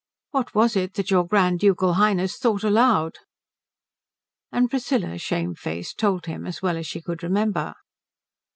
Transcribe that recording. What was it that your Grand Ducal Highness thought aloud?" And Priscilla, shamefaced, told him as well as she could remember.